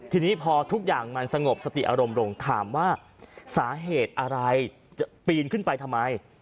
ทีนี้พอทุกอย่างมันสงบสติอารมณ์ลงถามว่าสาเหตุอะไรจะปีนขึ้นไปทำไม